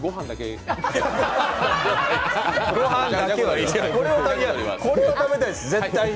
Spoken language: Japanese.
いや、これを食べたいです、絶対に！